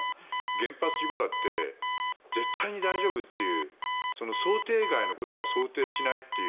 原発事故だって絶対に大丈夫という想定外のことは想定しないという。